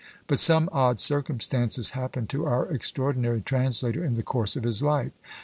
But some odd circumstances happened to our extraordinary translator in the course of his life.